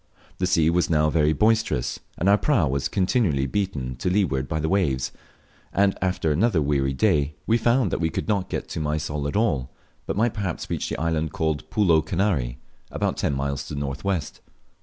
The sea was now very boisterous, and our prau was continually beaten to leeward by the waves, and after another weary day we found w e could not get to Mysol at all, but might perhaps reach the island called Pulo Kanary, about ten miles to the north west.